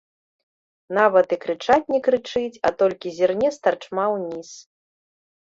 Нават і крычаць не крычыць, а толькі зірне старчма ўніз.